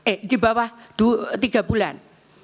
eh di bawah tiga bulan